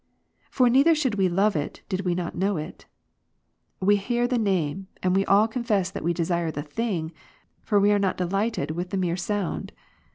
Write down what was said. For neither should we love it, did we not know it. We hear the name, and we all confess that we desire the thing ; for we are not delighted with the mere sound.